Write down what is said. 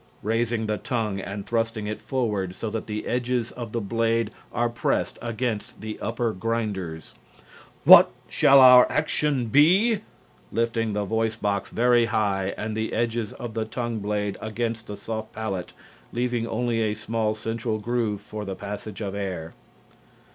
(Raising the tongue and thrusting it forward so that the edges of the blade are pressed against the upper grinders.) What shall our action be? (Lifting the voice box very high and the edges of the tongue blade against the soft palate, leaving only a small central groove for the passage of air.)"